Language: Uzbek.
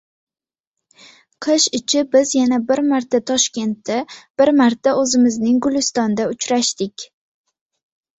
Qish ichi biz yana bir marta Toshkentda, bir marta o`zimizning Gulistonda uchrashdik